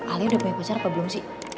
alia udah punya pacar apa belum sih